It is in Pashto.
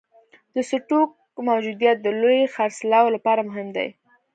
د سټوک موجودیت د لوی خرڅلاو لپاره مهم دی.